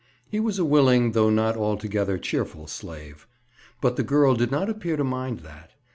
He was a willing though not altogether cheerful slave. But the girl did not appear to mind that.